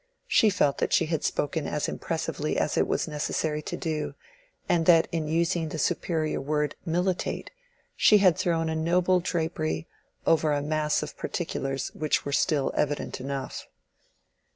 She felt that she had spoken as impressively as it was necessary to do, and that in using the superior word "militate" she had thrown a noble drapery over a mass of particulars which were still evident enough.